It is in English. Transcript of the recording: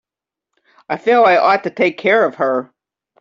I feel I ought to take care of her.